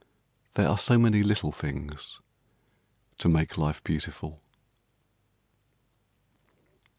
There are so many little things to make life beautiful.